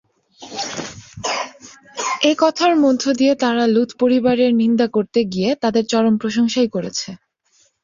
এ কথার মধ্য দিয়ে তারা লূত পরিবারের নিন্দা করতে গিয়ে তাদের চরম প্রশংসাই করেছে।